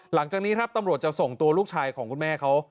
หลังจากนี้ครับตำรวจจะส่งตัวลูกชายของคุณแม่เขา